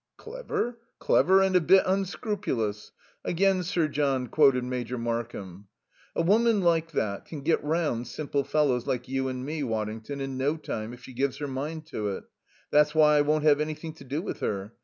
"Clever clever and a bit unscrupulous." Again Sir John quoted Major Markham. "A woman like that can get round simple fellows like you and me, Waddington, in no time, if she gives her mind to it. That's why I won't have anything to do with her.